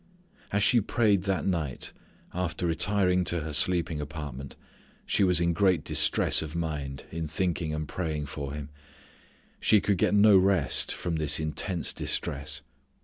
As she prayed that night after retiring to her sleeping apartment she was in great distress of mind in thinking and praying for him. She could get no rest from this intense distress.